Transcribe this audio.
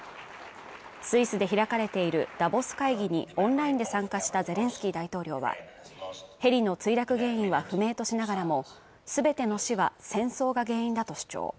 スイスで開かれているダボス会議にオンラインで参加したゼレンスキー大統領はヘリの墜落原因は不明としながらも全ての死は戦争が原因だと主張